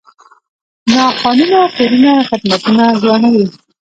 ناقانونه کورونه خدمتونه ګرانوي.